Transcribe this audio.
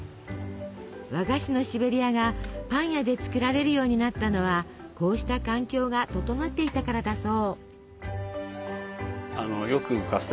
和菓子のシベリアがパン屋で作られるようになったのはこうした環境が整っていたからだそう。